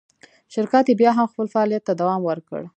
شرکت یې بیا هم خپل فعالیت ته دوام ورکړ.